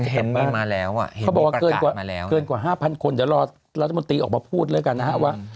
เห็นไหมเขาบอกว่าเกินกว่า๕๐๐คนเดี๋ยวรอรัฐมนตรีออกมาพูดแล้วกันนะฮะว่า